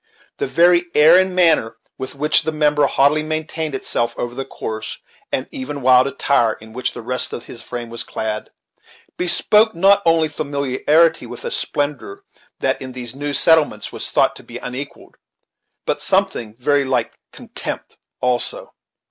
The very air and manner with which the member haughtily maintained itself over the coarse and even wild attire in which the rest of his frame was clad, bespoke not only familiarity with a splendor that in those new settlements was thought to be unequalled, but something very like contempt also.